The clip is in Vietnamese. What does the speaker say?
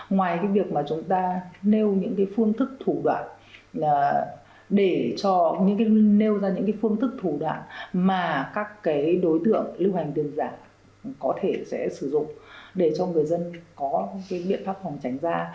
ngoài việc chúng ta nêu ra những phương thức thủ đoạn mà các đối tượng lưu hành tiền giả có thể sẽ sử dụng để cho người dân có biện pháp phòng tránh ra